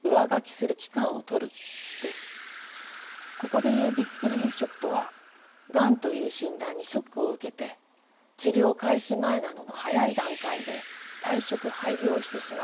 ここで言うびっくり離職とはがんという診断にショックを受けて治療開始前などの早い段階で退職・廃業してしまうことを指します。